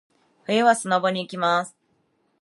冬はスノボに行きます。